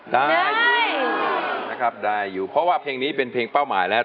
ได้อยู่นะครับได้อยู่เพราะว่าเพลงนี้เป็นเพลงเป้าหมายแล้ว